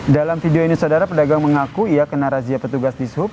dalam video ini saudara pedagang mengaku ia kena razia petugas di sub